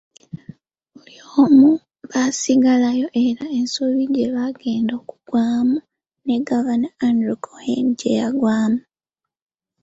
Buli omu byasigalayo era ensobi gye bagenda okugwamu ne Gavana Andrew Cohen gye yagwamu.